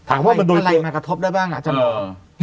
อะไรมากระทบหน้าบ้างอาจารย์